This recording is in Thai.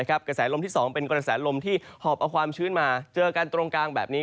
กระแสลมที่๒เป็นกระแสลมที่หอบเอาความชื้นมาเจอกันตรงกลางแบบนี้